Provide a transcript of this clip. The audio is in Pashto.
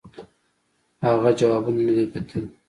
اگه جوابونه ندي کتلي.